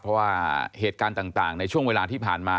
เพราะว่าเหตุการณ์ต่างในช่วงเวลาที่ผ่านมา